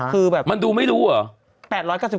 คือแบบมันดูไม่รู้เหรอ